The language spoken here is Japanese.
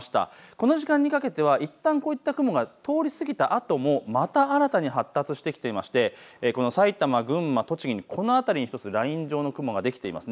この時間にかけてはいったんこういった雲が通り過ぎたあともまた新たに発達してきていまして埼玉、群馬、栃木、この辺りに１つライン状の雲ができています。